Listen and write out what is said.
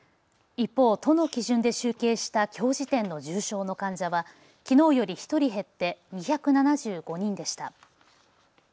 一方、都の基準で集計したきょう時点の重症の患者はきのうより１人減って２７５人でした。